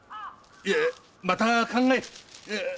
いやまた考える。